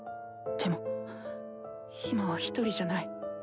でも今は一人じゃない。